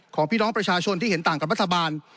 ของพี่น้องประชาชนที่เห็นต่างกับรัฐบาล